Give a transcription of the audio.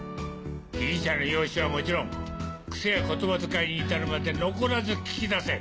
被疑者の容姿はもちろん癖や言葉遣いに至るまで残らず聞き出せ。